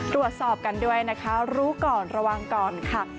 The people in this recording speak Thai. ตรวจสอบกันด้วยนะคะรู้ก่อนระวังก่อนค่ะ